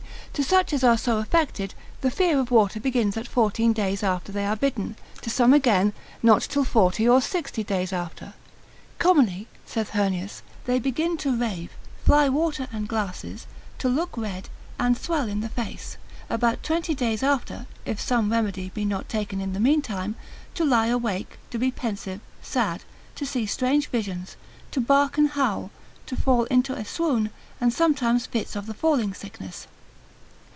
To such as are so affected, the fear of water begins at fourteen days after they are bitten, to some again not till forty or sixty days after: commonly saith Heurnius, they begin to rave, fly water and glasses, to look red, and swell in the face, about twenty days after (if some remedy be not taken in the meantime) to lie awake, to be pensive, sad, to see strange visions, to bark and howl, to fall into a swoon, and oftentimes fits of the falling sickness.